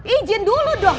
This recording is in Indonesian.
ijin dulu dong